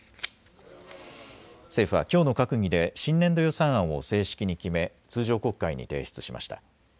政府はきょうの閣議で新年度予算案を正式に決め通常国会に提出しました。